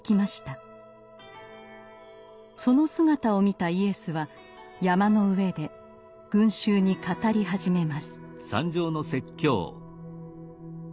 その姿を見たイエスは山の上で群衆に語り始めます。